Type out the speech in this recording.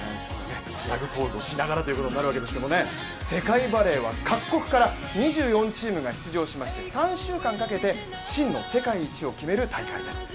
ツナグポーズをしながらということになるんですけれども世界バレーは各国から２４チームが出場しまして、３週間かけて真の世界一を決める大会です。